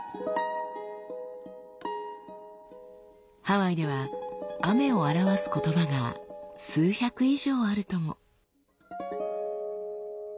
ハワイでは「雨」を表す言葉が数百以上あるとも。